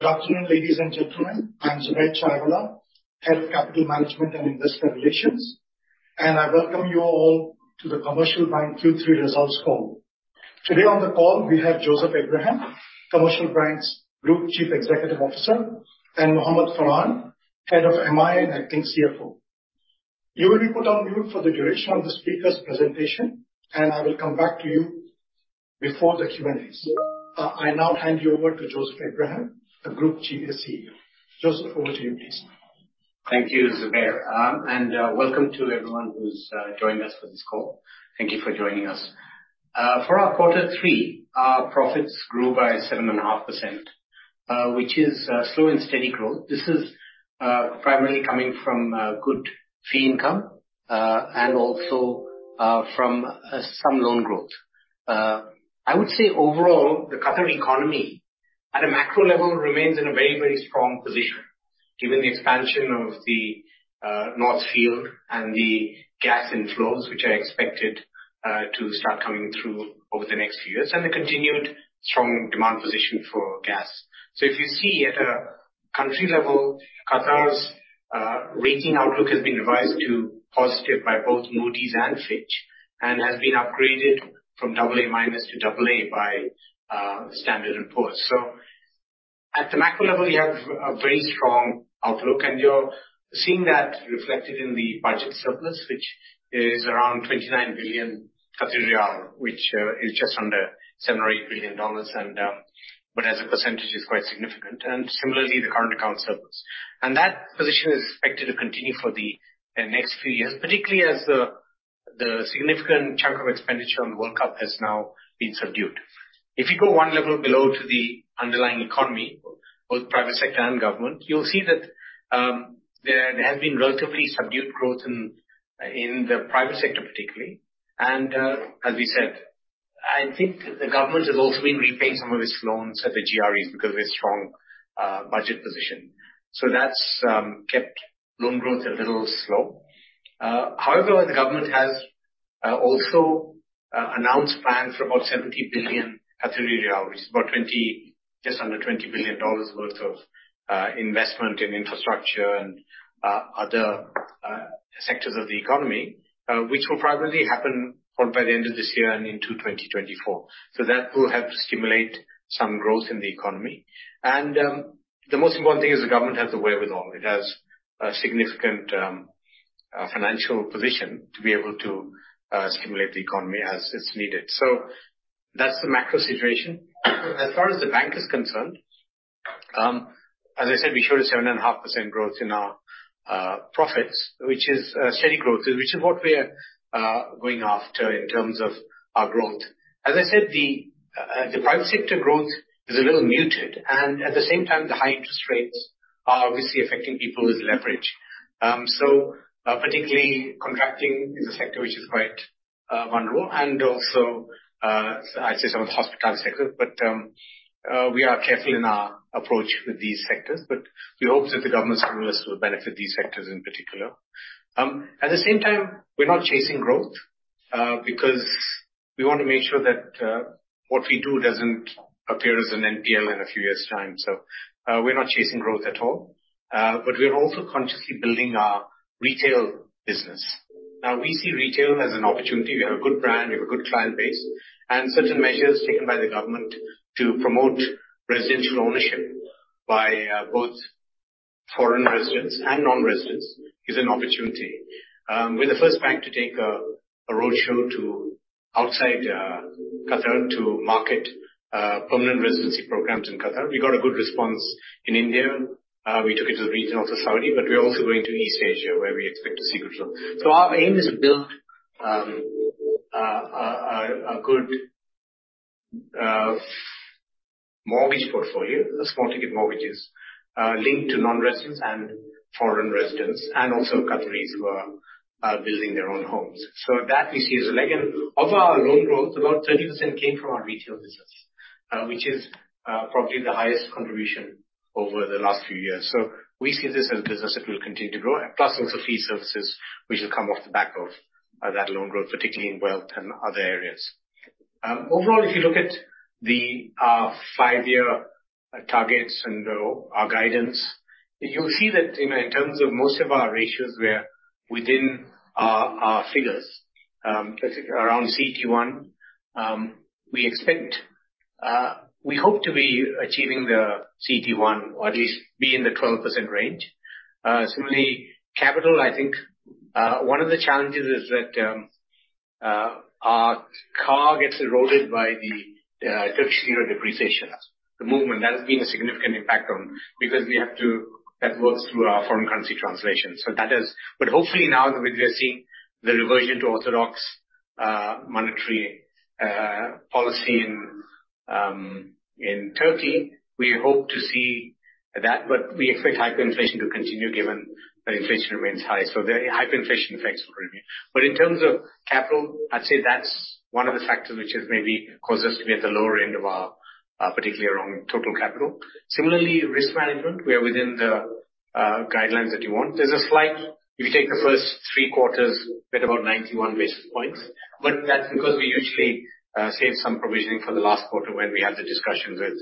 Good afternoon, ladies and gentlemen. I'm Zubair Chaiwala, Head of Capital Management and Investor Relations, and I welcome you all to the Commercial Bank Q3 results call. Today on the call, we have Joseph Abraham, Commercial Bank's Group Chief Executive Officer, and Mohamed Farhan, Head of MI and Acting CFO. You will be put on mute for the duration of the speaker's presentation, and I will come back to you before the Q&A. I now hand you over to Joseph Abraham, the Group CEO. Joseph, over to you, please. Thank you, Zubair, and welcome to everyone who's joined us for this call. Thank you for joining us. For our quarter three, our profits grew by 7.5%, which is slow and steady growth. This is primarily coming from good fee income and also from some loan growth. I would say overall, the Qatar economy at a macro level remains in a very, very strong position, given the expansion of the North Field and the gas inflows, which are expected to start coming through over the next few years, and a continued strong demand position for gas. So if you see at a country level, Qatar's rating outlook has been revised to positive by both Moody's and Fitch, and has been upgraded from double A minus to double A by Standard & Poor's. So at the macro level, you have a very strong outlook, and you're seeing that reflected in the budget surplus, which is around 29 billion, which is just under $7 billion or $8 billion, but as a percentage is quite significant, and similarly, the current account surplus. And that position is expected to continue for the next few years, particularly as the significant chunk of expenditure on the World Cup has now been subdued. If you go one level below to the underlying economy, both private sector and government, you'll see that there has been relatively subdued growth in the private sector particularly. And, as we said, I think the government has also been repaying some of its loans at the GREs because of its strong, budget position. So that's kept loan growth a little slow. However, the government has also announced plans for about 70 billion, which is about just under $20 billion worth of investment in infrastructure and other sectors of the economy, which will primarily happen by the end of this year and into 2024. So that will help to stimulate some growth in the economy. And, the most important thing is the government has the wherewithal. It has a significant, financial position to be able to stimulate the economy as is needed. So that's the macro situation. As far as the bank is concerned, as I said, we showed a 7.5% growth in our profits, which is steady growth, which is what we are going after in terms of our growth. As I said, the private sector growth is a little muted, and at the same time, the high interest rates are obviously affecting people with leverage. So, particularly contracting is a sector which is quite vulnerable, and also, I'd say some of the hospitality sector. But we are careful in our approach with these sectors, but we hope that the government's stimulus will benefit these sectors in particular. At the same time, we're not chasing growth because we want to make sure that what we do doesn't appear as an NPL in a few years' time. So, we're not chasing growth at all, but we're also consciously building our retail business. Now, we see retail as an opportunity. We have a good brand, we have a good client base, and certain measures taken by the government to promote residential ownership by both foreign residents and non-residents is an opportunity. We're the first bank to take a roadshow to outside Qatar to market permanent residency programs in Qatar. We got a good response in India. We took it to the region also, Saudi, but we're also going to East Asia, where we expect to see good results. So our aim is to build a good mortgage portfolio, the small ticket mortgages linked to non-residents and foreign residents, and also Qataris who are building their own homes. So that we see as a leg, and of our loan growth, about 30% came from our retail business, which is probably the highest contribution over the last few years. So we see this as a business that will continue to grow, and plus also fee services, which will come off the back of, that loan growth, particularly in wealth and other areas. Overall, if you look at the five-year targets and our guidance, you'll see that, you know, in terms of most of our ratios, we're within our, our figures. Basically around CET1, we expect. We hope to be achieving the CET1, or at least be in the 12% range. Similarly, capital, I think, one of the challenges is that, our CAR gets eroded by the Turkish lira depreciation. The movement that has been a significant impact on, because we have to that works through our foreign currency translation. So that is. But hopefully now that we're seeing the reversion to orthodox monetary policy in Turkey, we hope to see that, but we expect hyperinflation to continue, given that inflation remains high. So the hyperinflation effects will remain. But in terms of capital, I'd say that's one of the factors which has maybe caused us to be at the lower end of our, particularly around total capital. Similarly, risk management, we are within the guidelines that you want. There's a slight, if you take the first three quarters at about 91 basis points, but that's because we usually save some provisioning for the last quarter when we have the discussions with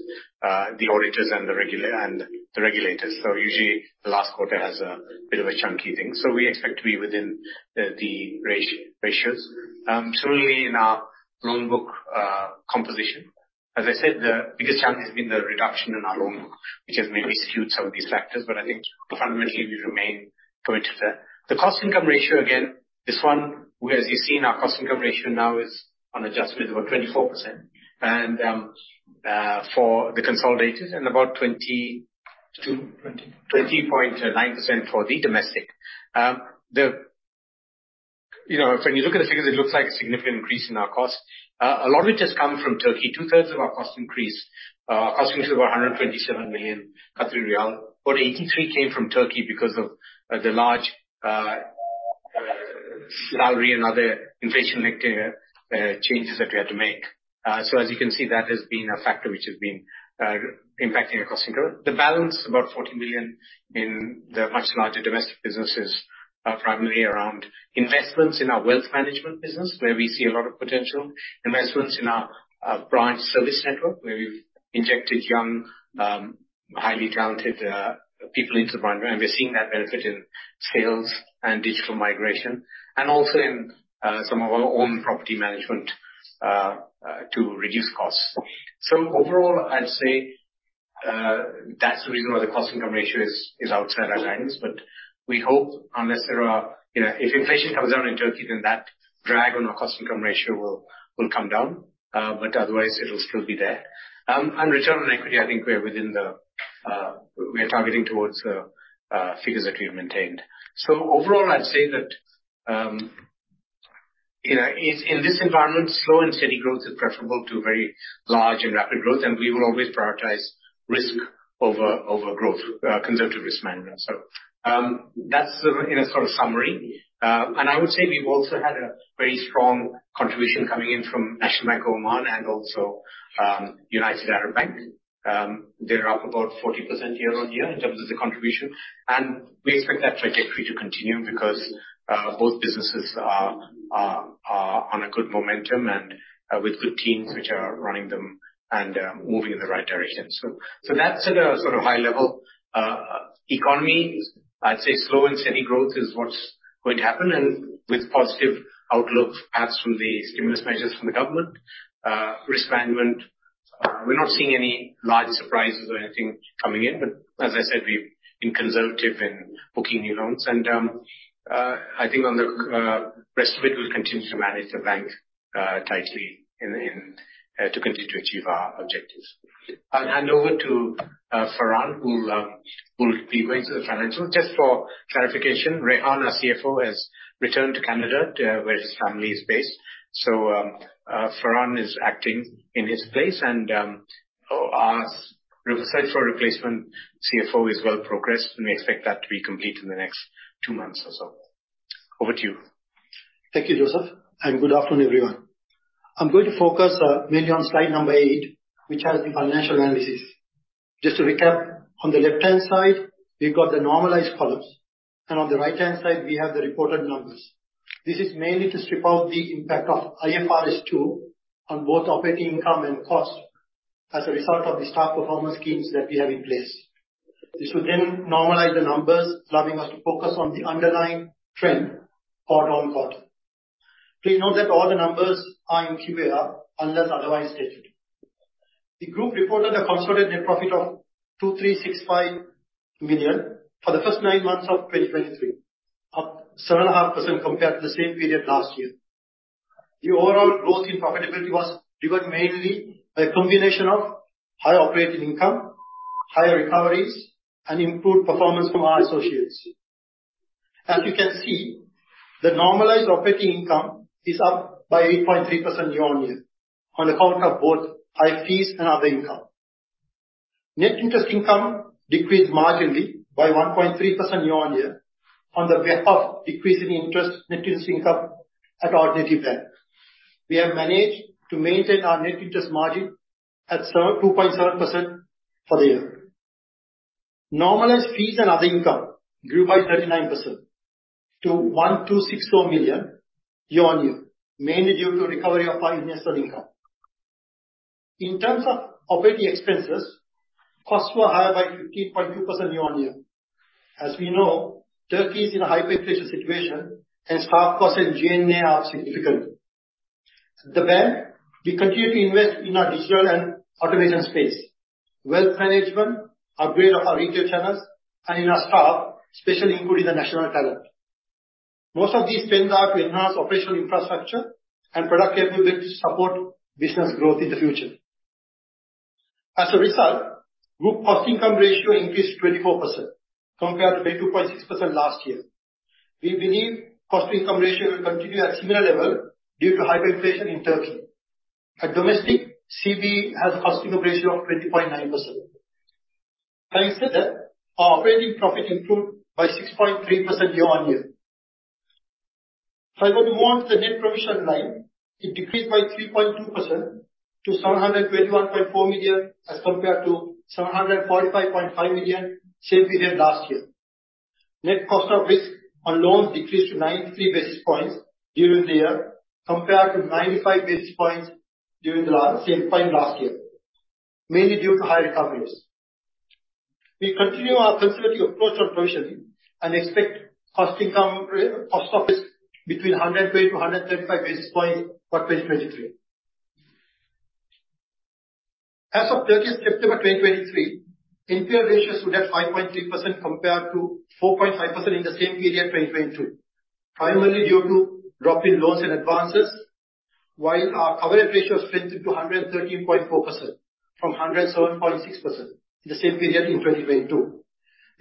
the auditors and the regulators. So usually, the last quarter has a bit of a chunky thing. So we expect to be within the, the ratio, ratios. Certainly in our loan book composition, as I said, the biggest challenge has been the reduction in our loan book, which has mainly skewed some of these factors. But I think fundamentally, we remain committed to that. The cost income ratio, again, this one, as you've seen, our cost income ratio now is on adjustment about 24%. And for the consolidated and about 20 to- Twenty. 20.9% for the domestic. You know, when you look at the figures, it looks like a significant increase in our costs. A lot of it has come from Turkey. Two-thirds of our cost increase, cost increase of about 127 million Qatari riyal, but 83 came from Turkey because of the large salary and other inflation-related changes that we had to make. So as you can see, that has been a factor which has been impacting our cost income. The balance, about 40 million in the much larger domestic businesses, are primarily around investments in our wealth management business, where we see a lot of potential. Investments in our branch service network, where we've injected young, highly talented people into the bank, and we're seeing that benefit in sales and digital migration, and also in some of our own property management to reduce costs. So overall, I'd say that's the reason why the cost income ratio is outside our guidance, but we hope unless there are, you know, if inflation comes down in Turkey, then that drag on our cost income ratio will come down, but otherwise it'll still be there. And return on equity, I think we're within the; we are targeting towards the figures that we have maintained. So overall, I'd say that, you know, in this environment, slow and steady growth is preferable to very large and rapid growth, and we will always prioritize risk over growth, conservative risk management. So, that's the, in a sort of summary. And I would say we've also had a very strong contribution coming in from National Bank of Oman and also, United Arab Bank. They're up about 40% year-on-year in terms of the contribution, and we expect that trajectory to continue because, both businesses are on a good momentum and, with good teams which are running them and, moving in the right direction. So that's at a sort of high level, economy. I'd say slow and steady growth is what's going to happen, and with positive outlook, perhaps from the stimulus measures from the government, risk management, we're not seeing any large surprises or anything coming in, but as I said, we've been conservative in booking new loans. And I think on the rest of it, we'll continue to manage the bank tightly in to continue to achieve our objectives. I'll hand over to Faran, who'll be going through the financial. Just for clarification, Rehan, our CFO, has returned to Canada to where his family is based. So Faran is acting in his place, and our search for a replacement CFO is well progressed, and we expect that to be complete in the next two months or so. Over to you. Thank you, Joseph, and good afternoon, everyone. I'm going to focus mainly on slide number 8, which has the financial analysis. Just to recap, on the left-hand side, we've got the normalized columns, and on the right-hand side, we have the reported numbers. This is mainly to strip out the impact of IFRS 2 on both operating income and costs as a result of the share performance schemes that we have in place. This will then normalize the numbers, allowing us to focus on the underlying trend quarter-on-quarter. Please note that all the numbers are in QAR unless otherwise stated. The group reported a consolidated net profit of 2,365 million for the first nine months of 2023, up 7.5% compared to the same period last year. The overall growth in profitability was driven mainly by a combination of high operating income, higher recoveries and improved performance from our associates. As you can see, the normalized operating income is up by 8.3% year-on-year, on account of both high fees and other income. Net interest income decreased marginally by 1.3% year-on-year, on the back of decreasing net interest income at our native bank. We have managed to maintain our net interest margin at 2.7% for the year. Normalized fees and other income grew by 39% to 1,264 million year-on-year, mainly due to recovery of our investment income. In terms of operating expenses, costs were higher by 15.2% year-on-year. As we know, Turkey is in a hyperinflation situation, hence staff costs and G&A are significant. The bank, we continue to invest in our digital and automation space, wealth management, upgrade of our retail channels and in our staff, especially including the national talent. Most of these trends are to enhance operational infrastructure and product capability to support business growth in the future. As a result, group cost income ratio increased 24% compared to 22.6% last year. We believe cost income ratio will continue at similar level due to hyperinflation in Turkey. At domestic, CB has a cost income ratio of 20.9%. Thanks to that, our operating profit improved by 6.3% year-on-year.... If I go to more on the net provision line, it decreased by 3.2% to 721.4 million, as compared to 745.5 million, same period last year. Net cost of risk on loans decreased to 93 basis points during the year, compared to 95 basis points during the last same period last year, mainly due to high recoveries. We continue our conservative approach on provisioning and expect cost of risk between 120-125 basis points for 2023. As of 13 September 2023, NPL ratios stood at 5.3% compared to 4.5% in the same period 2022, primarily due to drop in loans and advances, while our coverage ratio strengthened to 113.4% from 107.6% in the same period in 2022.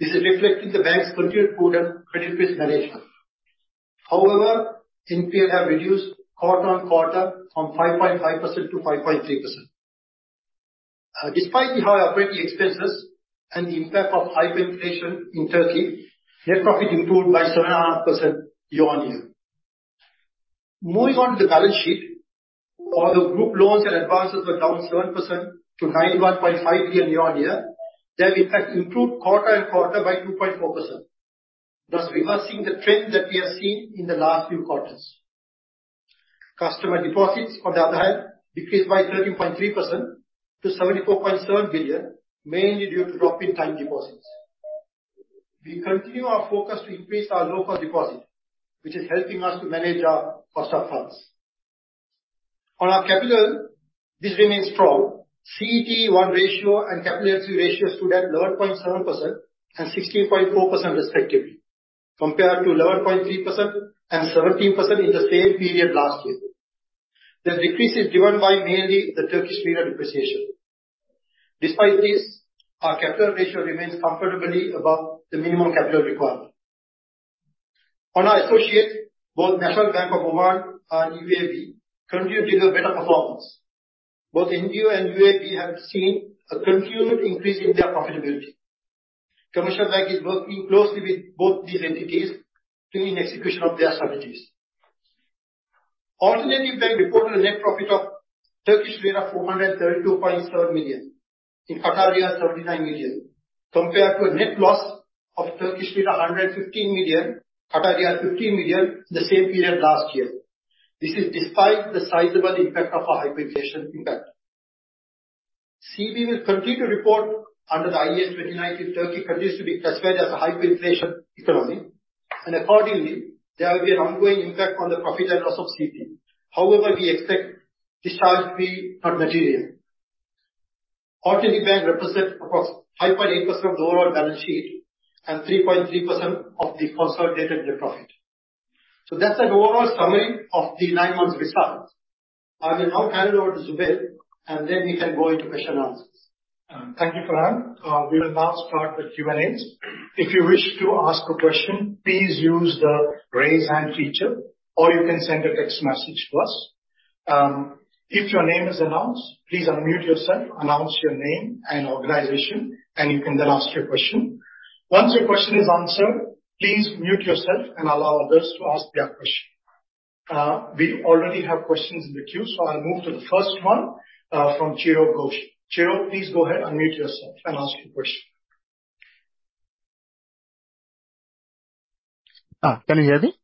This is reflecting the bank's continued prudent credit risk management. However, NPL have reduced quarter-on-quarter from 5.5% to 5.3%. Despite the higher operating expenses and the impact of hyperinflation in Turkey, net profit improved by 7.5% year-on-year. Moving on to the balance sheet, although group loans and advances were down 7% to 91.5 billion year-on-year, they have, in fact, improved quarter-on-quarter by 2.4%, thus reversing the trend that we have seen in the last few quarters. Customer deposits, on the other hand, decreased by 13.3% to 74.7 billion, mainly due to drop in time deposits. We continue our focus to increase our low-cost deposit, which is helping us to manage our cost of funds. On our capital, this remains strong. CET1 ratio and CAR stood at 11.7% and 16.4%, respectively, compared to 11.3% and 17% in the same period last year. The decrease is driven by mainly the Turkish lira depreciation. Despite this, our capital ratio remains comfortably above the minimum capital requirement. On our associate, both National Bank of Oman and UAB, continue to give a better performance. Both NBO and UAB have seen a continued increase in their profitability. Commercial Bank is working closely with both these entities during execution of their strategies. Alternatif Bank reported a net profit of Turkish lira 432.7 million, in QAR 39 million, compared to a net loss of Turkish lira 115 million, QAR 15 million, in the same period last year. This is despite the sizable impact of our hyperinflation impact. CB will continue to report under the IAS 29, Turkey continues to be classified as a hyperinflation economy, and accordingly, there will be an ongoing impact on the profit and loss of CB. However, we expect this charge to be not material. Alternatif Bank represent across 5.8% of the overall balance sheet and 3.3% of the consolidated net profit. So that's an overall summary of the nine months results. I will now hand over to Zubair, and then we can go into question and answers. Thank you, Faran. We will now start the Q&As. If you wish to ask a question, please use the Raise Hand feature, or you can send a text message to us. If your name is announced, please unmute yourself, announce your name and organization, and you can then ask your question. Once your question is answered, please mute yourself and allow others to ask their question. We already have questions in the queue, so I'll move to the first one, from Chirag Ghosh. Chirag, please go ahead, unmute yourself and ask your question. Can you hear me?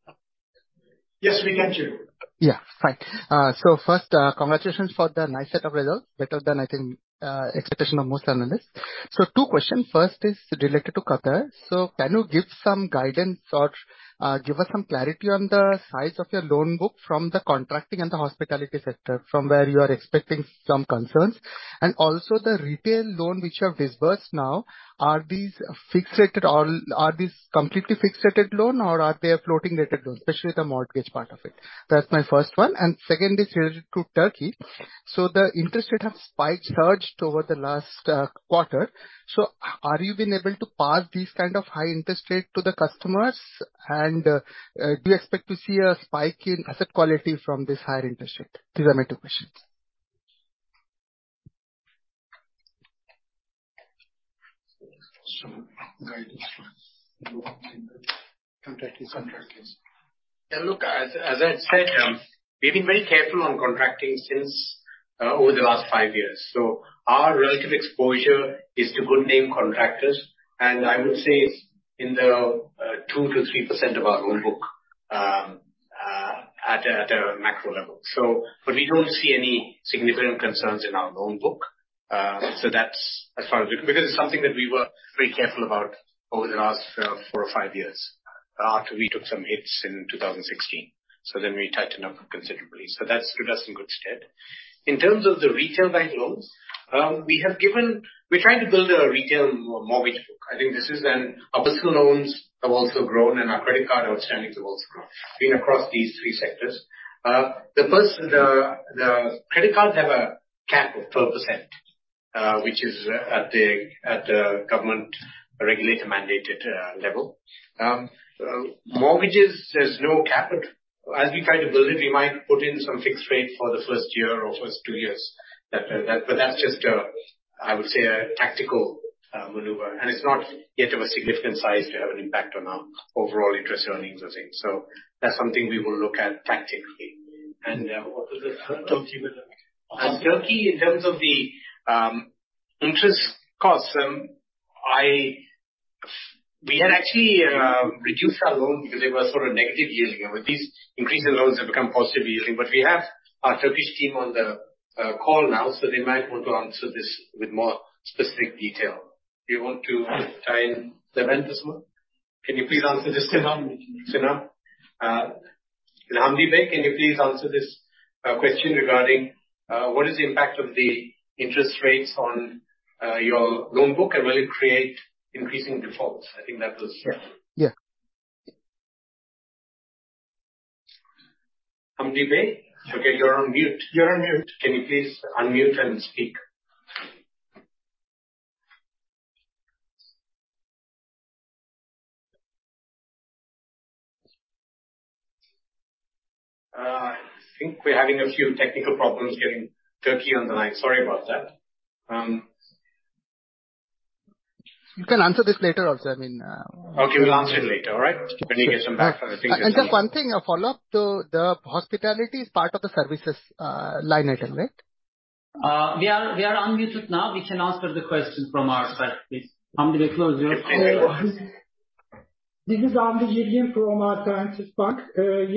Yes, we can, Chirag. Yeah, fine. So first, congratulations for the nice set of results, better than I think, expectation of most analysts. So two questions. First is related to Qatar. So can you give some guidance or, give us some clarity on the size of your loan book from the contracting and the hospitality sector, from where you are expecting some concerns? And also the retail loan which you have disbursed now, are these fixed rate or are these completely fixed rated loan or are they a floating rated loan, especially the mortgage part of it? That's my first one, and second is related to Turkey. So the interest rate have spiked, surged over the last, quarter. So are you been able to pass these kind of high interest rate to the customers? Do you expect to see a spike in asset quality from this higher interest rate? These are my two questions. Some guidance, contractors, contractors. Yeah, look, as I said, we've been very careful on contracting since over the last 5 years. So our relative exposure is to good name contractors, and I would say it's in the 2%-3% of our loan book at a macro level. So, but we don't see any significant concerns in our loan book. So that's as far as we... Because it's something that we were very careful about over the last 4 or 5 years, after we took some hits in 2016. So then we tightened up considerably. So that's put us in good stead. In terms of the retail bank loans, we have given. We're trying to build a retail mortgage book. I think this is, our personal loans have also grown, and our credit card outstandings have also grown, been across these three sectors. The first, the credit cards have a cap of 12%, which is at the government regulator-mandated level. Mortgages, there's no cap. As we try to build it, we might put in some fixed rate for the first year or first two years. That, but that's just, I would say, a tactical maneuver, and it's not yet of a significant size to have an impact on our overall interest earnings, I think. So that's something we will look at tactically.... What was the third Turkey? Turkey, in terms of the interest costs, we had actually reduced our loan because they were sort of negative yielding, and with these increasing loans have become positive yielding. But we have our Turkish team on the call now, so they might want to answer this with more specific detail. Do you want to dial in Levent as well? Can you please answer this, Sinem, Sinem? Hamdi Bey, can you please answer this question regarding what is the impact of the interest rates on your loan book, and will it create increasing defaults? I think that was- Yeah. Hamdi Bey? Okay, you're on mute. You're on mute. Can you please unmute and speak? I think we're having a few technical problems getting Turkey on the line. Sorry about that. You can answer this later also, I mean. Okay, we'll answer it later, all right? When you get some back, I think- Just one thing, a follow-up. The hospitality is part of the services line item, right? We are unmuted now. We can answer the question from our side, please. Hamdi Bey, close your phone. This is Hamdi Bey from Alternatif Bank.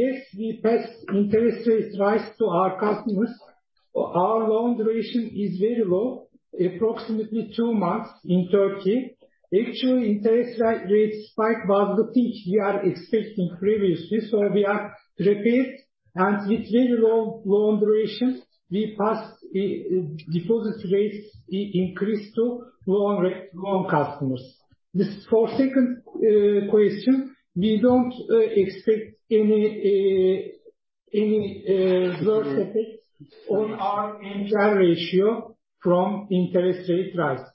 Yes, we passed interest rates rise to our customers. Our loan duration is very low, approximately two months in Turkey. Actually, interest rate spike was the peak we are expecting previously, so we are prepared. And with very low loan durations, we passed the deposit rates, the increase to loan customers. This for second question, we don't expect any worse effect on our NPL ratio from interest rate rise.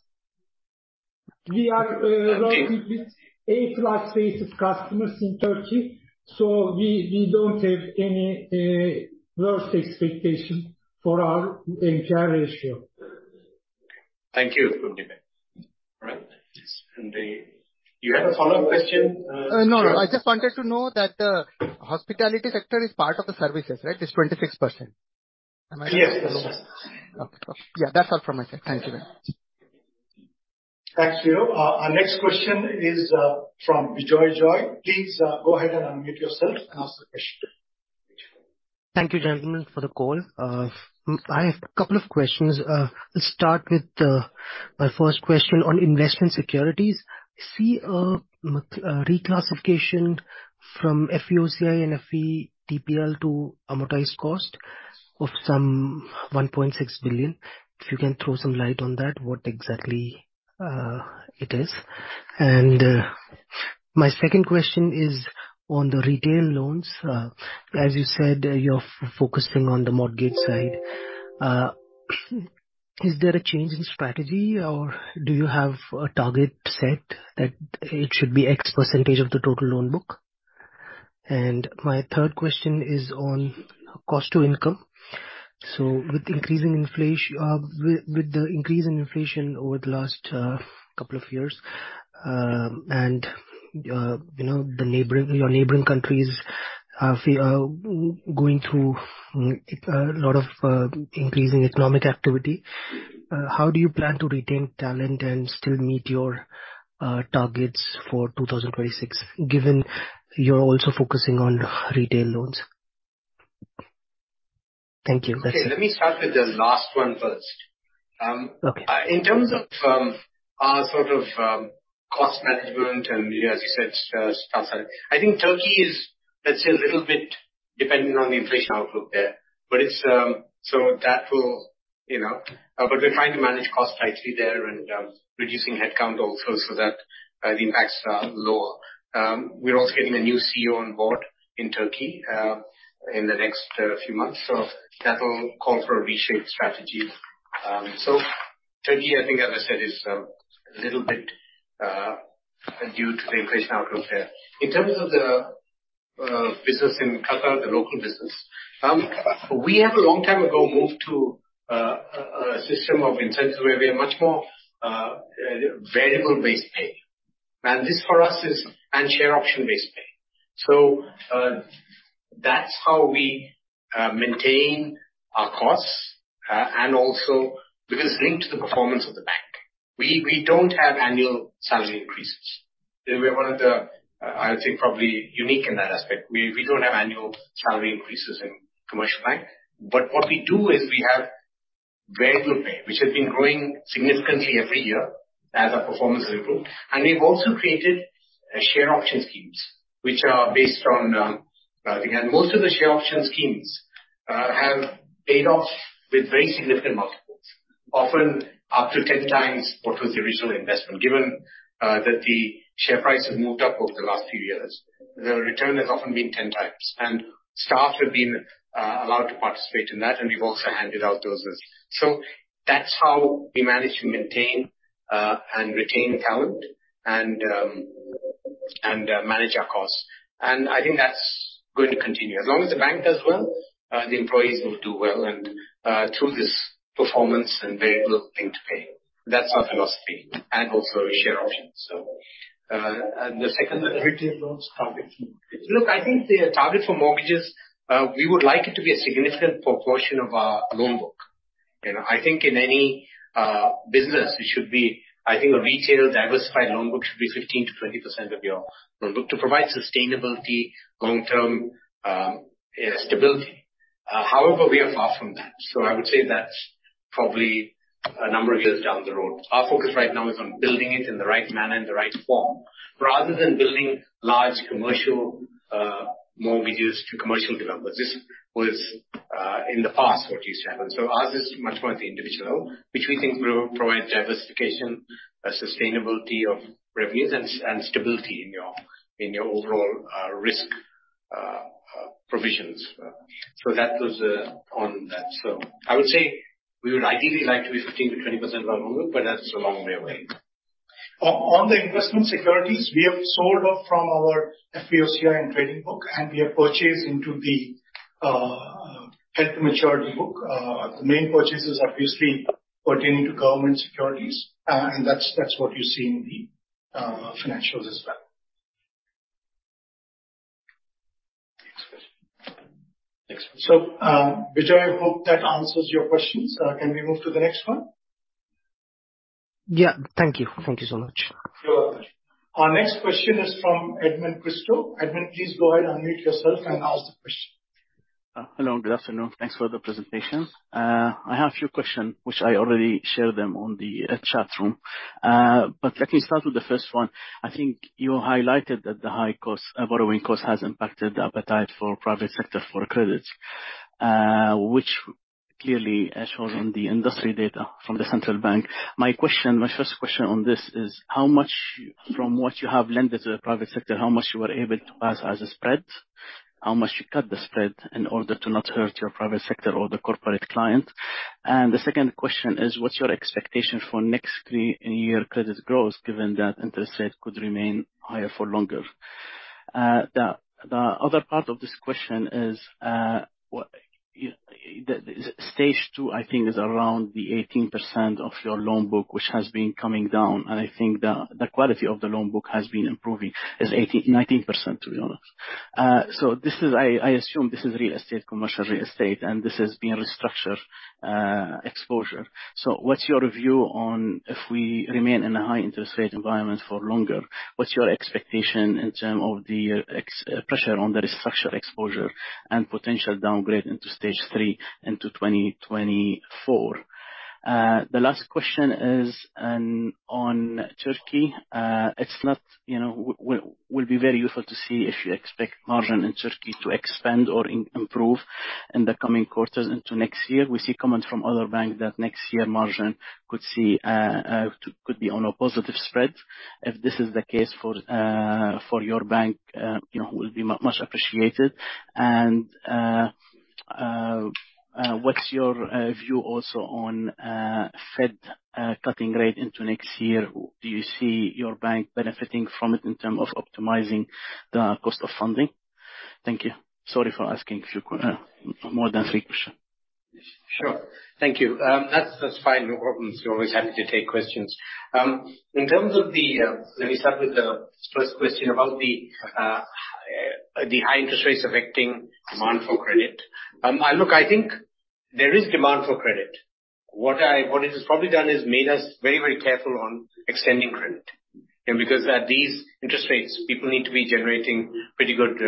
We are working with A-plus rated customers in Turkey, so we don't have any worse expectation for our NPL ratio. Thank you, Hamdi Bey. All right. Hamdi Bey, you had a follow-up question? No, no. I just wanted to know that the hospitality sector is part of the services, right? It's 26%. Am I right? Yes, it does. Okay, cool. Yeah, that's all from my side. Thank you. Thanks, Leo. Our next question is from Bijoy Joy. Please, go ahead and unmute yourself and ask the question. Thank you, gentlemen, for the call. I have a couple of questions. Let's start with my first question on investment securities. I see reclassification from FVOCI and FVTPL to amortized cost of some 1.6 billion. If you can throw some light on that, what exactly it is? And my second question is on the retail loans. As you said, you're focusing on the mortgage side. Is there a change in strategy, or do you have a target set that it should be X% of the total loan book? And my third question is on cost to income. So with the increase in inflation over the last couple of years, and you know, your neighboring countries are going through a lot of increasing economic activity, how do you plan to retain talent and still meet your targets for 2026, given you're also focusing on retail loans? Thank you. Okay, let me start with the last one first. Um, okay. In terms of our sort of cost management, and as you said, stuff like that, I think Turkey is, let's say a little bit dependent on the inflation outlook there. But it's so that will, you know. But we're trying to manage costs tightly there and reducing headcount also so that the impacts are lower. We're also getting a new CEO on board in Turkey in the next few months, so that will call for a reshaped strategy. So Turkey, I think, as I said, is a little bit due to the inflation outlook there. In terms of the business in Qatar, the local business, we have a long time ago moved to a system of incentives, where we are much more variable-based pay. And this, for us, is... And share option-based pay. So, that's how we maintain our costs, and also because it's linked to the performance of the bank. We don't have annual salary increases. We're one of the, I would say, probably unique in that aspect. We don't have annual salary increases in Commercial Bank. But what we do is we have variable pay, which has been growing significantly every year as our performance has improved. And we've also created a share option schemes, which are based on... And most of the share option schemes have paid off with very significant multiples, often up to ten times what was the original investment. Given that the share price has moved up over the last few years, the return has often been ten times. Staff have been allowed to participate in that, and we've also handed out those as... So that's how we manage to maintain and retain talent and manage our costs. I think that's going to continue. As long as the bank does well, the employees will do well, and through this performance and variable link pay.... That's our philosophy, and also share options. So, and the second? Retail loans target. Look, I think the target for mortgages, we would like it to be a significant proportion of our loan book. You know, I think in any business, it should be, I think, a retail diversified loan book should be 15%-20% of your loan book, to provide sustainability, long-term stability. However, we are far from that. So I would say that's probably a number of years down the road. Our focus right now is on building it in the right manner and the right form, rather than building large commercial mortgages to commercial developers. This was in the past, what used to happen. So ours is much more at the individual level, which we think will provide diversification, a sustainability of revenues, and stability in your overall risk provisions. So that was on that. I would say, we would ideally like to be 15%-20% by loan book, but that's a long way away. On the investment securities, we have sold off from our FVOCI and trading book, and we have purchased into the held-to-maturity book. The main purchases are obviously pertaining to government securities, and that's what you see in the financials as well. Next question. Next. So, Bijoy, I hope that answers your questions. Can we move to the next one? Yeah. Thank you. Thank you so much. You're welcome. Our next question is from Edmond Christou. Edmond, please go ahead and unmute yourself and ask the question. Hello, good afternoon. Thanks for the presentation. I have a few question, which I already shared them on the chat room. Let me start with the first one. I think you highlighted that the high cost, borrowing cost has impacted the appetite for private sector for credits, which clearly shows on the industry data from the central bank. My first question on this is, how much from what you have lent to the private sector, how much you were able to pass as a spread? How much you cut the spread in order to not hurt your private sector or the corporate client? The second question is, what's your expectation for next three year credit growth, given that interest rate could remain higher for longer? The other part of this question is, what the stage two, I think, is around the 18% of your loan book, which has been coming down, and I think the quality of the loan book has been improving. It's 18-19%, to be honest. So this is, I assume, this is real estate, commercial real estate, and this has been restructured exposure. So what's your view on if we remain in a high interest rate environment for longer, what's your expectation in terms of the pressure on the restructured exposure and potential downgrade into stage three into 2024? The last question is on Turkey. It's not, you know, will be very useful to see if you expect margin in Turkey to expand or improve in the coming quarters into next year. We see comments from other banks that next year, margin could see, could be on a positive spread. If this is the case for, for your bank, you know, it will be much appreciated. And, what's your view also on, Fed, cutting rate into next year? Do you see your bank benefiting from it in terms of optimizing the cost of funding? Thank you. Sorry for asking a few more than three questions. Sure. Thank you. That's fine. No problems. We're always happy to take questions. In terms of the high interest rates affecting demand for credit. Let me start with the first question about the high interest rates affecting demand for credit. Look, I think there is demand for credit. What it has probably done is made us very, very careful on extending credit. And because at these interest rates, people need to be generating pretty good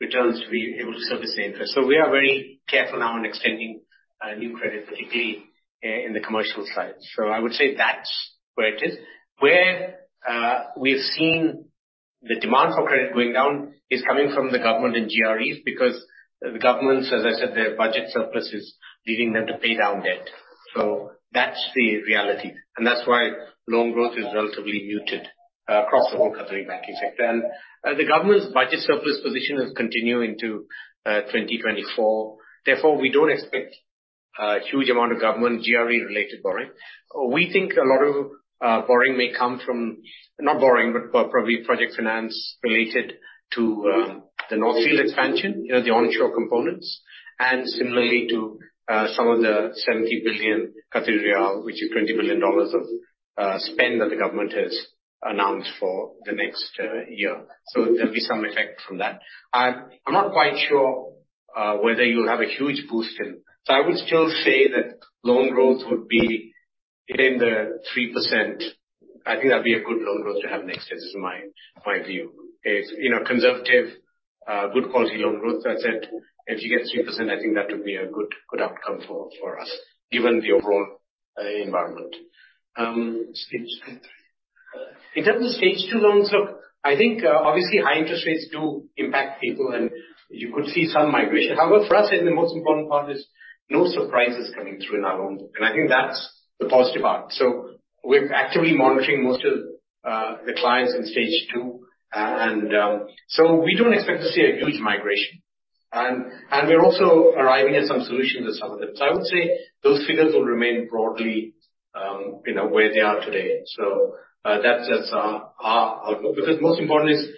returns to be able to service the interest. So we are very careful now on extending new credit, particularly in the commercial side. So I would say that's where it is. Where we've seen the demand for credit going down is coming from the government and GREs, because the governments, as I said, their budget surplus is leading them to pay down debt. So that's the reality, and that's why loan growth is relatively muted across the whole Qatari banking sector. And, the government's budget surplus position will continue into 2024. Therefore, we don't expect a huge amount of government GRE-related borrowing. We think a lot of borrowing may come from-- not borrowing, but probably project finance related to the North Field expansion, you know, the onshore components, and similarly to some of the 70 billion riyal, which is $20 billion of spend that the government has announced for the next year. So there'll be some effect from that. I'm, I'm not quite sure whether you'll have a huge boost in... So I would still say that loan growth would be in the 3%. I think that'd be a good loan growth to have next year. This is my, my view. It's, you know, conservative, good quality loan growth. That said, if you get 3%, I think that would be a good, good outcome for, for us, given the overall, environment. Stage Two. In terms of Stage Two loans, look, I think, obviously, high interest rates do impact people, and you could see some migration. However, for us, the most important part is no surprises coming through in our loan book, and I think that's the positive part. So we're actively monitoring most of, the clients in Stage Two. And, so we don't expect to see a huge migration. And, and we're also arriving at some solutions with some of them. So I would say those figures will remain broadly, you know, where they are today. So, that's, that's our, our outlook. Because most important is,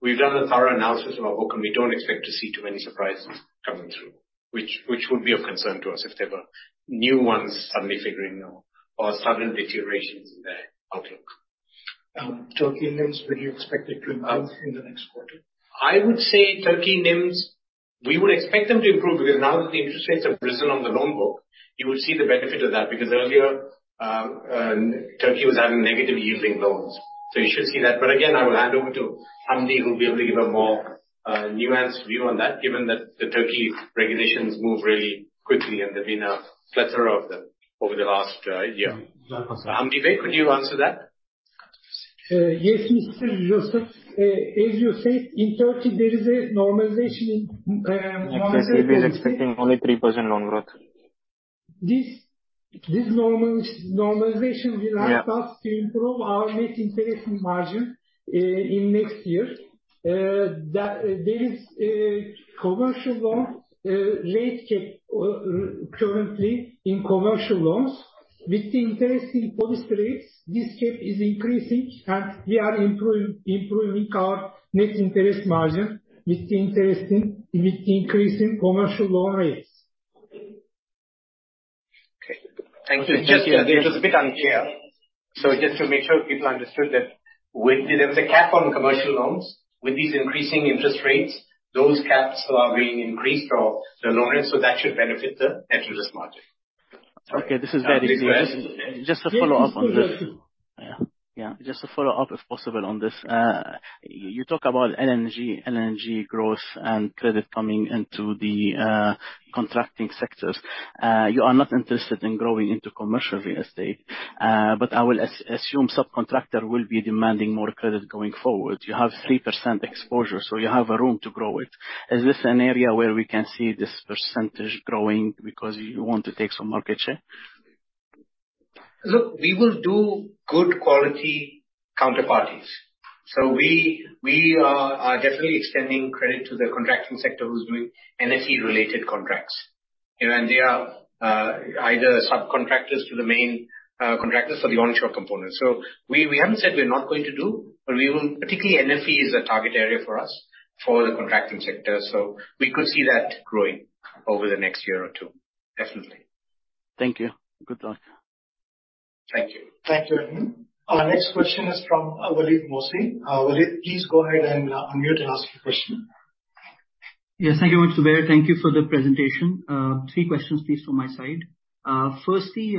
we've done a thorough analysis of our book, and we don't expect to see too many surprises coming through... which would be of concern to us if there were new ones suddenly figuring out or sudden deterioration in the outlook. Turkey NIMS, will you expect it to improve in the next quarter? I would say Turkey NIMS, we would expect them to improve, because now that the interest rates have risen on the loan book, you will see the benefit of that. Because earlier, Turkey was having negative yielding loans. So you should see that. But again, I will hand over to Hamdi, who will be able to give a more, nuanced view on that, given that the Turkey regulations move really quickly and there's been a plethora of them over the last, year. Hamdi, could you answer that? Yes, Mr. Joseph. As you say, in Turkey, there is a normalization. expecting only 3% loan growth. This normalization will- Yeah Help us to improve our Net Interest Margin in next year. That there is a commercial loan rate cap currently in commercial loans. With the interest policy rates, this cap is increasing, and we are improving, improving our Net Interest Margin with interest, with increasing commercial loan rates. Okay. Thank you. Just a bit unclear. So just to make sure people understood that with, there was a cap on commercial loans, with these increasing interest rates, those caps are being increased or the loan rates, so that should benefit the interest margin. Okay, this is very clear. Just a follow-up on this. Yes. Yeah. Yeah, just to follow up, if possible, on this. You talk about LNG, LNG growth and credit coming into the contracting sectors. You are not interested in growing into commercial real estate, but I will assume subcontractor will be demanding more credit going forward. You have 3% exposure, so you have a room to grow it. Is this an area where we can see this percentage growing because you want to take some market share? Look, we will do good quality counterparties. So we are definitely extending credit to the contracting sector who's doing NFE-related contracts. You know, and they are either subcontractors to the main contractors for the onshore component. So we haven't said we're not going to do, but we will, particularly NFE is a target area for us for the contracting sector. So we could see that growing over the next year or two. Definitely. Thank you. Good luck. Thank you. Thank you, Hamdi. Our next question is from Waleed Mohsin. Walid, please go ahead and unmute and ask your question. Yes. Thank you much, Zubair. Thank you for the presentation. Three questions, please, from my side. Firstly,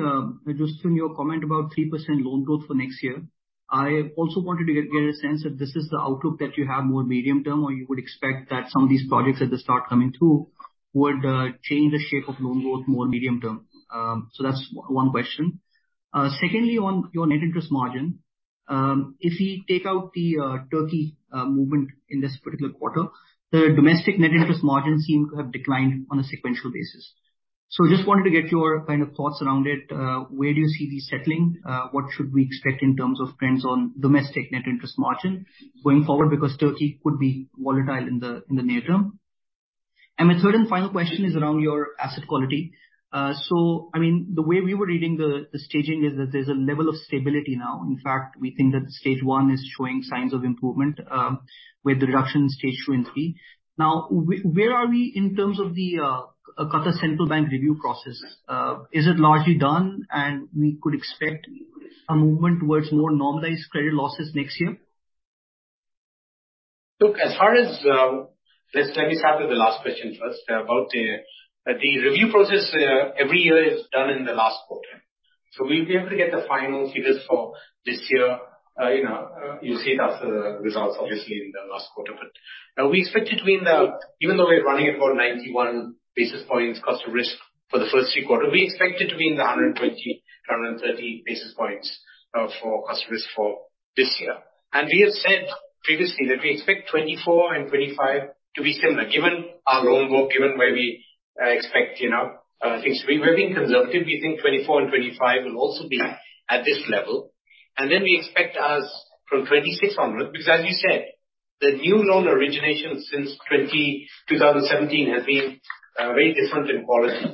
just on your comment about 3% loan growth for next year, I also wanted to get a sense if this is the outlook that you have more medium-term, or you would expect that some of these projects at the start coming through would change the shape of loan growth more medium-term. So that's one question. Secondly, on your net interest margin, if we take out the Turkey movement in this particular quarter, the domestic net interest margin seem to have declined on a sequential basis. So just wanted to get your kind of thoughts around it. Where do you see this settling? What should we expect in terms of trends on domestic net interest margin going forward? Because Turkey could be volatile in the, in the near term. And my third and final question is around your asset quality. So I mean, the way we were reading the, the staging is that there's a level of stability now. In fact, we think that stage one is showing signs of improvement, with the reduction in stage two and three. Now, where are we in terms of the, Qatar Central Bank review process? Is it largely done, and we could expect a movement towards more normalized credit losses next year? Look, as far as, let's let me start with the last question first, about the, the review process, every year is done in the last quarter. So we'll be able to get the final figures for this year. You know, you'll see it after the results, obviously, in the last quarter. But now we expect it to be in the, even though we're running at about 91 basis points cost of risk for the first three quarters, we expect it to be in the 120-130 basis points, for cost of risk for this year. And we have said previously that we expect 2024 and 2025 to be similar, given our loan book, given where we expect, you know, things to be. We're being conservative. We think 2024 and 2025 will also be at this level. Then we expect as from 2026 onwards, because as you said, the new loan origination since 2017 has been very different in quality.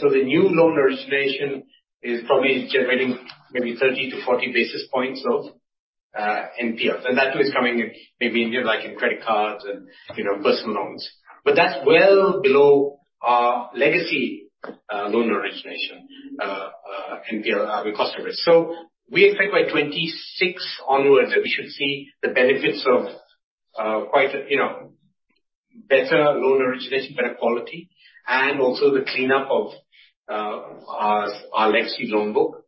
So the new loan origination is probably generating maybe 30-40 basis points of NPL. And that is coming in maybe in, like, in credit cards and, you know, personal loans. But that's well below our legacy loan origination and with cost of risk. So we expect by 2026 onwards that we should see the benefits of quite a, you know, better loan origination, better quality, and also the cleanup of our legacy loan book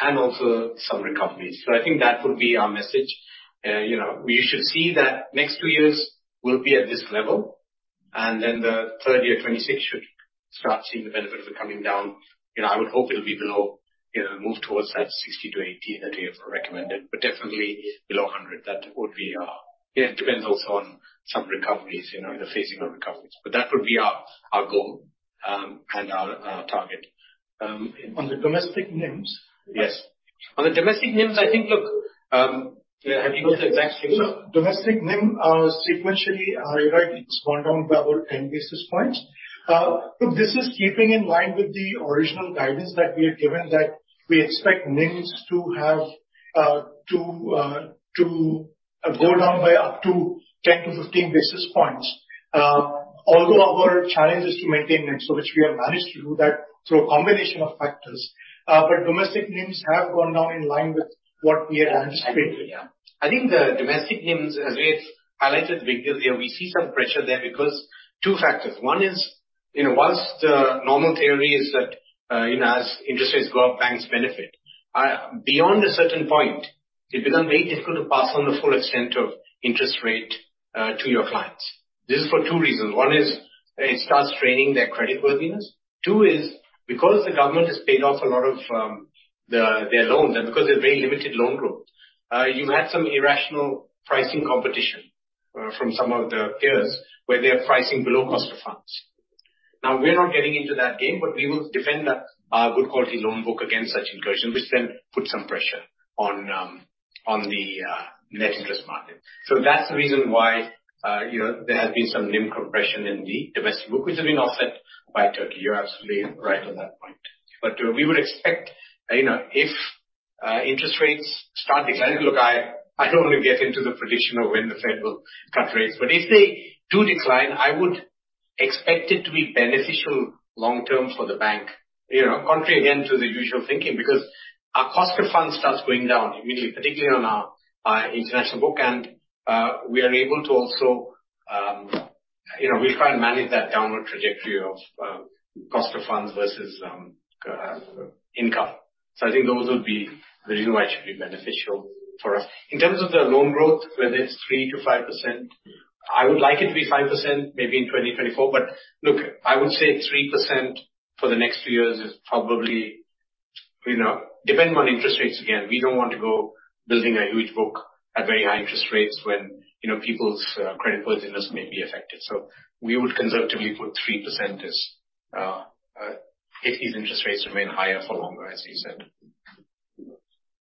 and also some recoveries. So I think that would be our message. You know, we should see that next two years will be at this level, and then the third year, 2026, should start seeing the benefit of it coming down. You know, I would hope it'll be below, you know, move towards that 60-80 that we have recommended, but definitely below 100. That would be our... It depends also on some recoveries, you know, the phasing of recoveries. But that would be our, our goal, and our target. On the domestic NIMS? Yes. On the domestic NIMS, I think, look, have you got the exact figure? Domestic NIM, sequentially, right, it's gone down by about 10 basis points. Look, this is keeping in line with the original guidance that we have given. We expect NIMS to have, to, to go down by up to 10-15 basis points. Although our challenge is to maintain NIMS, so which we have managed to do that through a combination of factors. But domestic NIMS have gone down in line with what we had anticipated. Yeah. I think the domestic NIMS, as we've highlighted earlier, we see some pressure there because two factors. One is, you know, while the normal theory is that, you know, as interest rates go up, banks benefit. Beyond a certain point, it becomes very difficult to pass on the full extent of interest rate to your clients. This is for two reasons. One is, it starts straining their creditworthiness. Two is because the government has paid off a lot of their loans, and because there is very limited loan growth, you've had some irrational pricing competition from some of the peers, where they are pricing below cost of funds. Now, we're not getting into that game, but we will defend that good quality loan book against such incursion, which then puts some pressure on the net interest margin. So that's the reason why, you know, there has been some NIM compression in the domestic book, which has been offset by Turkey. You're absolutely right on that point. But, we would expect, you know, if, interest rates start declining. Look, I don't want to get into the prediction of when the Fed will cut rates, but if they do decline, I would expect it to be beneficial long term for the bank. You know, contrary, again, to the usual thinking, because our cost of funds starts going down immediately, particularly on our, international book. And, we are able to also, you know, we try and manage that downward trajectory of, cost of funds versus, income. So I think those would be the reason why it should be beneficial for us. In terms of the loan growth, whether it's 3%-5%, I would like it to be 5%, maybe in 2024. But look, I would say 3% for the next few years is probably, you know, depending on interest rates, again, we don't want to go building a huge book at very high interest rates when, you know, people's creditworthiness may be affected. So we would conservatively put 3% as if these interest rates remain higher for longer, as you said.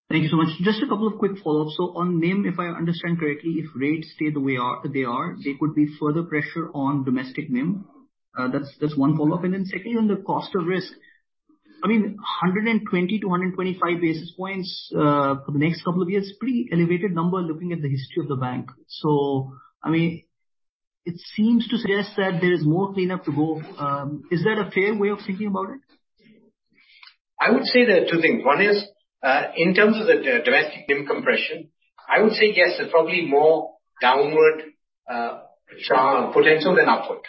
Thank you so much. Just a couple of quick follow-ups. So on NIM, if I understand correctly, if rates stay the way they are, there could be further pressure on domestic NIM. That's one follow-up. And then secondly, on the cost of risk, I mean, 120-125 basis points for the next couple of years, pretty elevated number, looking at the history of the bank. So, I mean, it seems to suggest that there is more cleanup to go. Is that a fair way of thinking about it? I would say there are two things. One is, in terms of the domestic NIM compression, I would say yes, there's probably more downward potential than upward.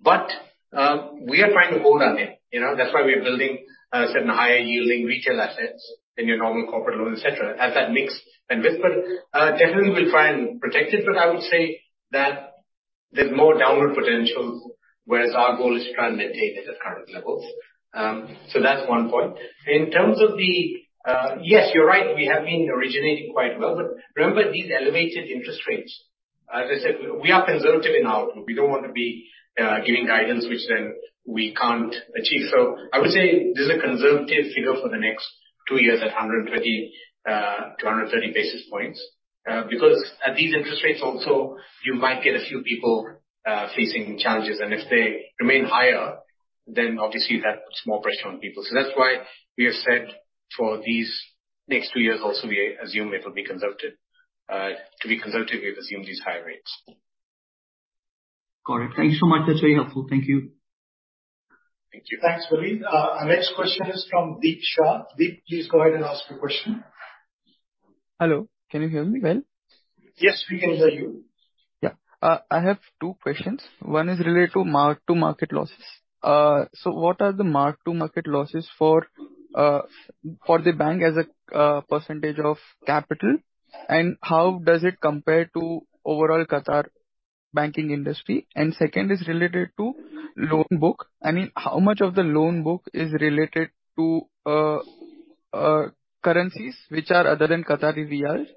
But, we are trying to hold our NIM, you know, that's why we are building certain higher yielding retail assets than your normal corporate loans, et cetera, as that mix and whisper. Definitely, we'll try and protect it, but I would say that there's more downward potential, whereas our goal is to try and maintain it at current levels. So that's one point. In terms of the... Yes, you're right, we have been originating quite well, but remember these elevated interest rates. As I said, we are conservative in our output. We don't want to be giving guidance, which then we can't achieve. So I would say this is a conservative figure for the next two years at 120-130 basis points. Because at these interest rates also, you might get a few people facing challenges, and if they remain higher, then obviously that puts more pressure on people. So that's why we have said for these next two years also, we assume it will be conservative, to be conservative, we assume these higher rates. Got it. Thank you so much. That's very helpful. Thank you. Thank you. Thanks, Waleed. Our next question is from Deep Shah. Deep, please go ahead and ask your question. Hello. Can you hear me well? Yes, we can hear you. Yeah. I have two questions. One is related to mark-to-market losses. So what are the mark-to-market losses for the bank as a percentage of capital? And how does it compare to overall Qatar banking industry? And second is related to loan book. I mean, how much of the loan book is related to currencies which are other than Qatari riyals?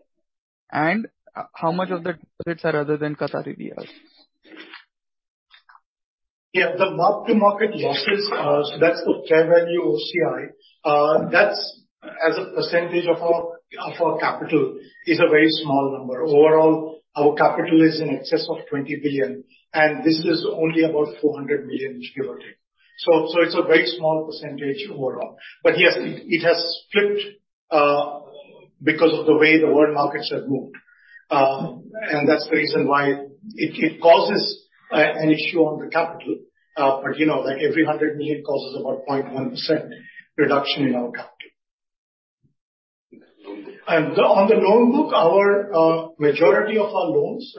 And how much of the deposits are other than Qatari riyals? Yeah, the mark-to-market losses, so that's the fair value OCI. That's as a percentage of our, of our capital, is a very small number. Overall, our capital is in excess of 20 billion, and this is only about 400 million, give or take. So, so it's a very small percentage overall. But yes, it, it has flipped, because of the way the world markets have moved. And that's the reason why it, it causes, an issue on the capital. But you know, like every 100 million causes about 0.1% reduction in our capital. And on the loan book, our, majority of our loans,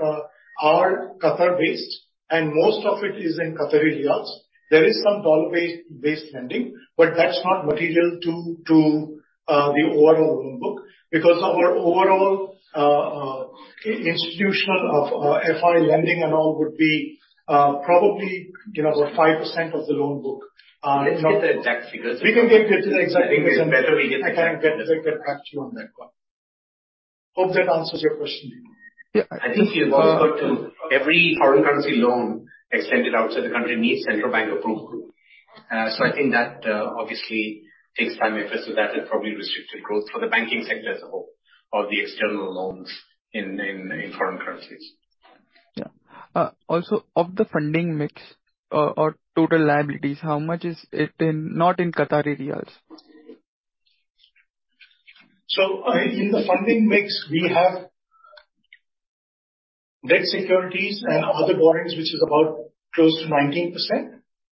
are Qatar-based, and most of it is in Qatari riyals. There is some dollar-based lending, but that's not material to the overall loan book, because our overall institutional FI lending and all would be probably, you know, about 5% of the loan book. Let's get the exact figures. We can get the exact figures. I think it's better we get the exact- I can get back to you on that one. Hope that answers your question. Yeah. I think every foreign currency loan extended outside the country needs central bank approval. So I think that obviously takes time, effort, so that it probably restricted growth for the banking sector as a whole, of the external loans in foreign currencies.... Yeah. Also, of the funding mix or, or total liabilities, how much is it in, not in Qatari riyals? In the funding mix, we have debt securities and other borrowings, which is about close to 19%.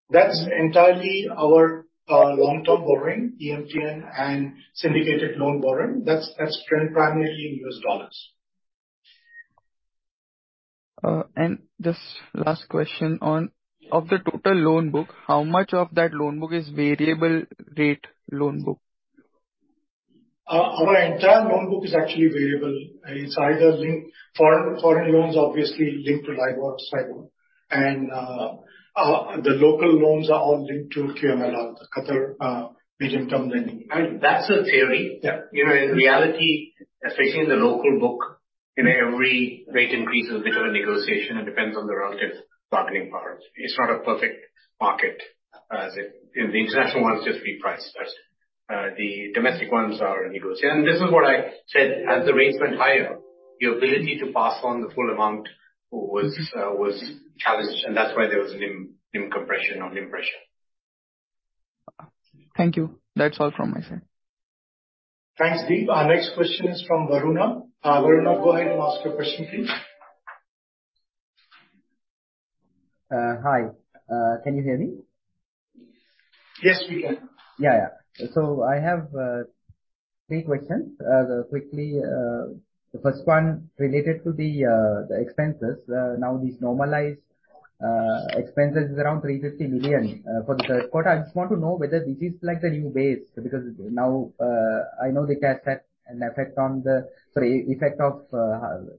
That's entirely our long-term borrowing, EMTN, and syndicated loan borrowing. That's, that's primarily in US dollars. Just last question on, of the total loan book, how much of that loan book is variable rate loan book? Our entire loan book is actually variable. It's either linked to foreign loans, obviously, linked to LIBOR or SAIBOR, and the local loans are all linked to QMR, the Qatar medium-term lending. I mean, that's the theory. Yeah. You know, in reality, especially in the local book, in every rate increase, there's a bit of a negotiation. It depends on the relative bargaining power. It's not a perfect market, as in, the international ones just reprice, but the domestic ones are negotiated. And this is what I said: as the rates went higher, your ability to pass on the full amount was challenged, and that's why there was a NIM, NIM compression on NIM pressure. Thank you. That's all from my side. Thanks, Deep. Our next question is from Varuna. Varuna, go ahead and ask your question, please. Hi. Can you hear me? Yes, we can. Yeah, yeah. So I have three questions. Quickly, the first one related to the expenses. Now, these normalized expenses is around 350 million for the third quarter. I just want to know whether this is like the new base, because now I know the cash had an effect on the... Sorry, effect of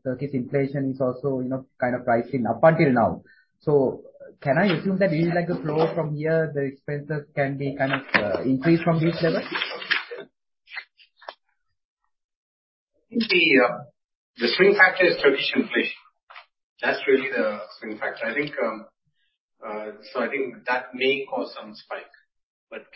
Turkish inflation is also, you know, kind of pricing up until now. So can I assume that this is like a flow from here, the expenses can be kind of increased from this level? The swing factor is Turkish inflation. That's really the swing factor. I think, so I think that may cause some spike, but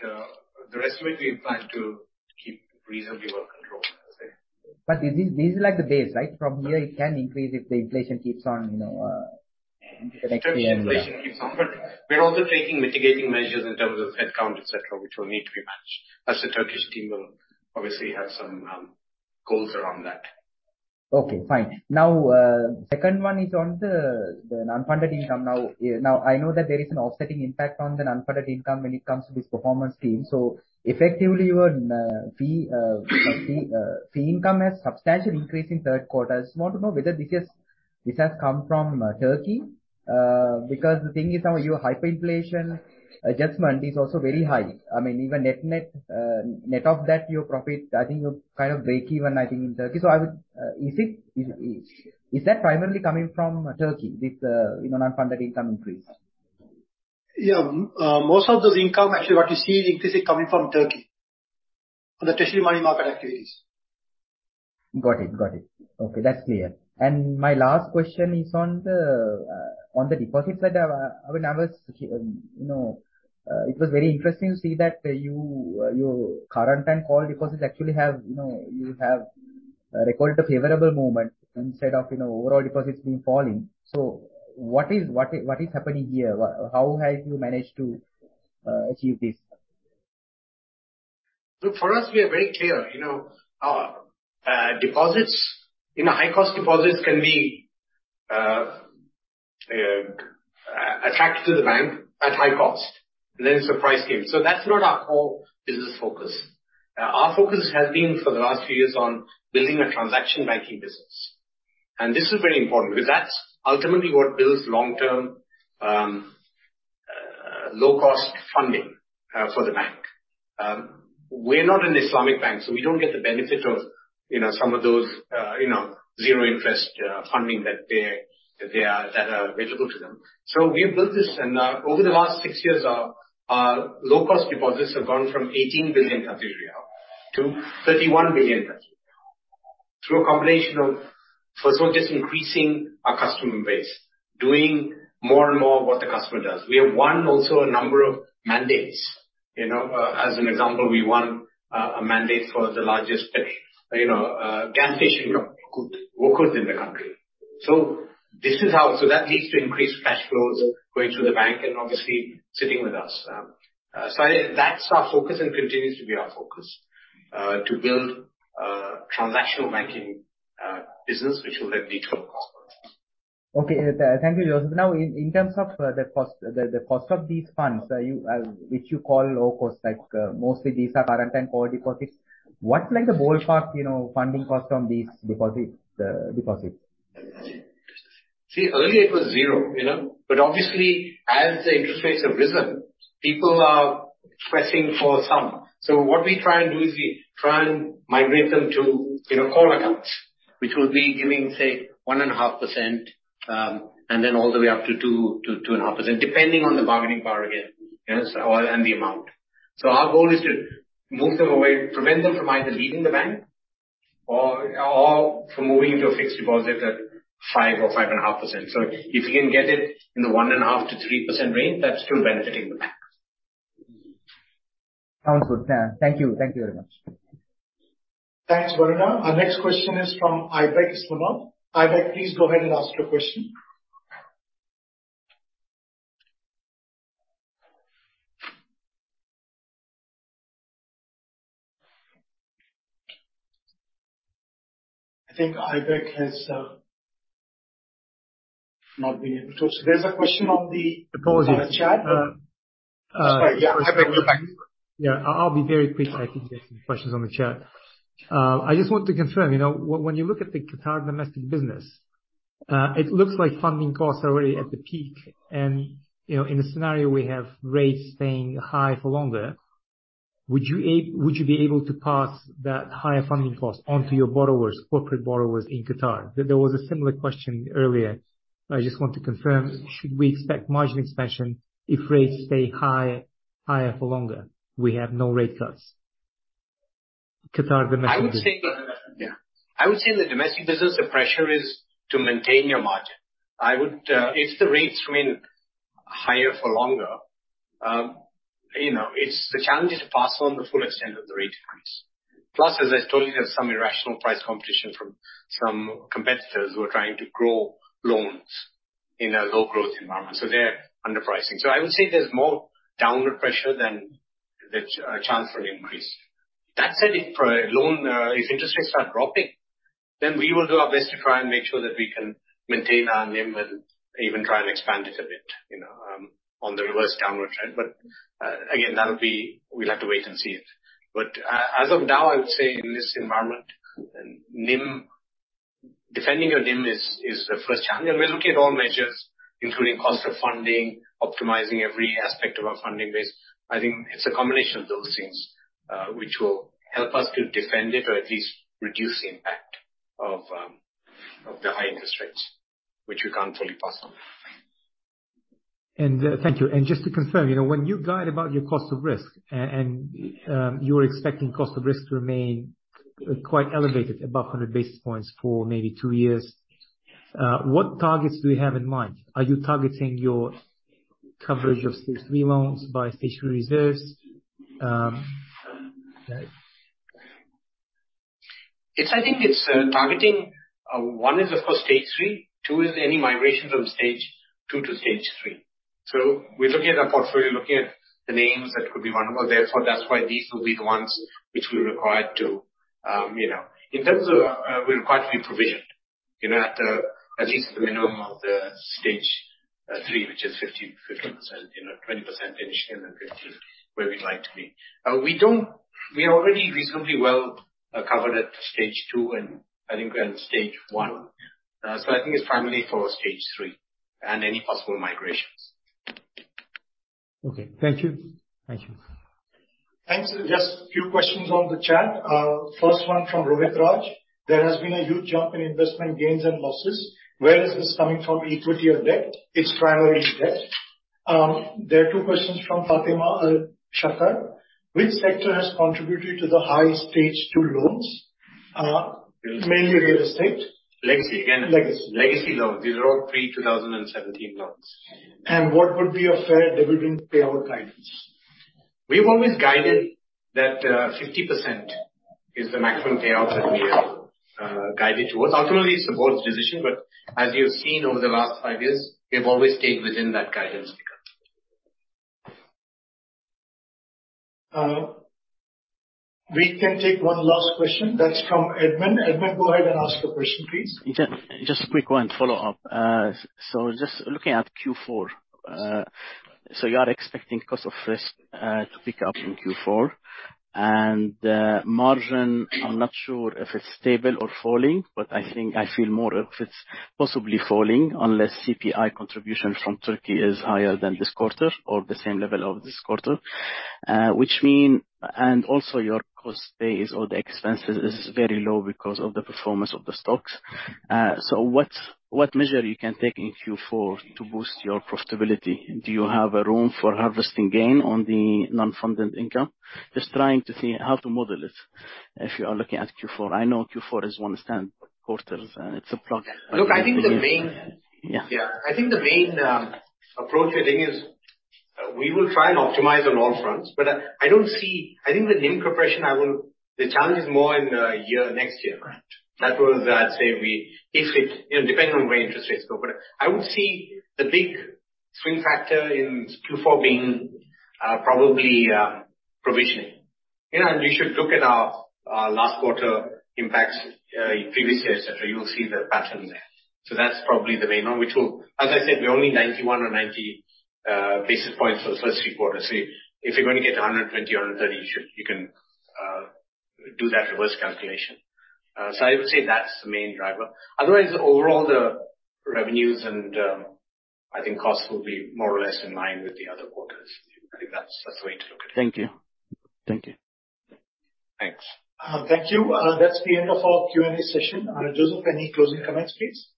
the rest of it, we plan to keep reasonably well controlled, I'd say. But this is, this is like the base, right? From here, it can increase if the inflation keeps on, you know, affecting the- If the Turkish inflation keeps on, but we're also taking mitigating measures in terms of headcount, et cetera, which will need to be managed, as the Turkish team will obviously have some goals around that. Okay, fine. Now, second one is on the non-funded income. Now, I know that there is an offsetting impact on the non-funded income when it comes to this performance team. So effectively, even fee income has substantial increase in third quarter. I just want to know whether this has come from Turkey? Because the thing is now, your hyperinflation adjustment is also very high. I mean, even net-net, net of that, your profit, I think, you're kind of breakeven, I think, in Turkey. So, is that primarily coming from Turkey, this you know non-funded income increase? Yeah. Most of the income, actually, what you see increasing, coming from Turkey, from the treasury money market activities. Got it. Got it. Okay, that's clear. My last question is on the deposit side. When I was, you know, it was very interesting to see that your current and call deposits actually have, you know, you have recorded a favorable movement instead of, you know, overall deposits been falling. So what is happening here? What, how have you managed to achieve this? So for us, we are very clear, you know, our deposits, you know, high-cost deposits can be attracted to the bank at high cost, and then surprise came. So that's not our core business focus. Our focus has been, for the last few years, on building a transaction banking business. And this is very important, because that's ultimately what builds long-term low-cost funding for the bank. We're not an Islamic bank, so we don't get the benefit of, you know, some of those, you know, zero interest funding that they, that they are, that are available to them. So we have built this, and over the last six years, our low-cost deposits have gone from 18 billion to 31 billion through a combination of, first of all, just increasing our customer base, doing more and more what the customer does. We have won also a number of mandates. You know, as an example, we won a mandate for the largest, you know, gas station of Woqod in the country. So this is how. So that leads to increased cash flows going through the bank and obviously sitting with us. So that's our focus and continues to be our focus to build a transactional banking business, which will then lead to more profits. Okay. Thank you, Joseph. Now, in terms of the cost of these funds, you which you call low cost, like, mostly these are current and core deposits, what's like the ballpark, you know, funding cost on these deposits, deposits? See, earlier it was zero, you know, but obviously, as the interest rates have risen, people are pressing for some. So what we try and do is we try and migrate them to, you know, call accounts, which will be giving, say, 1.5%, and then all the way up to 2%-2.5%, depending on the bargaining power again, yes, or, and the amount. So our goal is to move them away, prevent them from either leaving the bank or, or from moving to a fixed deposit at 5% or 5.5%. So if you can get it in the 1.5%-3% range, that's still benefiting the bank.... Sounds good. Yeah. Thank you. Thank you very much. Thanks, Varuna. Our next question is from Aybek Islamov. Aybek, please go ahead and ask your question. I think Aybek has not been able to. So there's a question on the chat. Apologies. Uh, Sorry, yeah, Ibek, go back. Yeah, I'll be very quick. I can get some questions on the chat. I just want to confirm, you know, when you look at the Qatar domestic business, it looks like funding costs are already at the peak. And, you know, in a scenario we have rates staying high for longer, would you be able to pass that higher funding cost onto your borrowers, corporate borrowers in Qatar? There was a similar question earlier. I just want to confirm, should we expect margin expansion if rates stay high, higher for longer, we have no rate cuts, Qatar domestic? I would say, yeah. I would say in the domestic business, the pressure is to maintain your margin. I would, if the rates remain higher for longer, you know, it's the challenge is to pass on the full extent of the rate increase. Plus, as I told you, there's some irrational price competition from some competitors who are trying to grow loans in a low growth environment, so they're underpricing. So I would say there's more downward pressure than the, chance for an increase. That said, if, loan, if interest rates start dropping, then we will do our best to try and make sure that we can maintain our NIM and even try and expand it a bit, you know, on the reverse downward trend. But, again, that'll be... We'll have to wait and see it. But as of now, I would say in this environment, NIM, defending your NIM is the first challenge. And we're looking at all measures, including cost of funding, optimizing every aspect of our funding base. I think it's a combination of those things, which will help us to defend it or at least reduce the impact of the high interest rates, which we can't really pass on. Thank you. Just to confirm, you know, when you guide about your cost of risk and you're expecting cost of risk to remain quite elevated, above 100 basis points for maybe 2 years, what targets do you have in mind? Are you targeting your coverage of Stage Three loans by Stage Three reserves? It's, I think it's targeting, one is, of course, stage three, two is any migrations from stage two to stage three. So we're looking at the portfolio, looking at the names that could be vulnerable. Therefore, that's why these will be the ones which we're required to, you know. In terms of, we're required to be provisioned, you know, at least the minimum of the stage three, which is 15, 15%, you know, 20% initially, and then 15, where we'd like to be. We are already reasonably well covered at stage two, and I think we're at stage one. So I think it's primarily for stage three and any possible migrations. Okay. Thank you. Thank you. Thanks. Just few questions on the chat. First one from Rohit Raj: There has been a huge jump in investment gains and losses. Where is this coming from, equity or debt? It's primarily debt. There are two questions from Fatema Al-Sakka. Which sector has contributed to the high Stage Two loans? Mainly real estate. Legacy. Again- Legacy. Legacy loans. These are all pre-2017 loans. What would be a fair dividend payout guidance? We've always guided that 50% is the maximum payout that we have guided towards. Ultimately, it's the board's decision, but as you've seen over the last 5 years, we've always stayed within that guidance. We can take one last question. That's from Edmund. Edmund, go ahead and ask your question, please. Just a quick one, follow-up. So just looking at Q4, so you are expecting cost of risk to pick up in Q4. And margin, I'm not sure if it's stable or falling, but I think I feel more if it's possibly falling, unless CPI contribution from Turkey is higher than this quarter or the same level of this quarter. Which mean. And also your cost base or the expenses is very low because of the performance of the stocks. So what, what measure you can take in Q4 to boost your profitability? Do you have a room for harvesting gain on the non-funded income? Just trying to see how to model it if you are looking at Q4. I know Q4 is one standard quarter, it's a plug. Look, I think the main- Yeah. Yeah. I think the main approach, I think, is we will try and optimize on all fronts, but I, I don't see—I think the NIM compression, I will... The challenge is more in the year, next year. Right. That was, I'd say we, if it, you know, depending on where interest rates go. But I would see the big swing factor in Q4 being, probably, provisioning. You know, and you should look at our, last quarter impacts, in previous years, et cetera. You'll see the pattern there. So that's probably the main one, which will, as I said, we're only 91 or 90 basis points for the first three quarters. So if you're going to get 120, 130, you should, you can, do that reverse calculation. So I would say that's the main driver. Otherwise, overall, the revenues and, I think costs will be more or less in line with the other quarters. I think that's, that's the way to look at it. Thank you. Thank you. Thanks. Thank you. That's the end of our Q&A session. Joseph, any closing comments, please?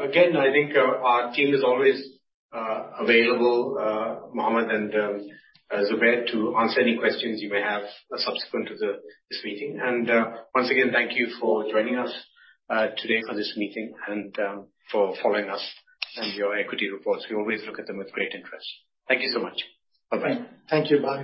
Again, I think our team is always available, Mohammed and Zubair, to answer any questions you may have subsequent to this meeting. Once again, thank you for joining us today for this meeting and for following us. Your equity reports, we always look at them with great interest. Thank you so much. Bye-bye. Thank you, bye.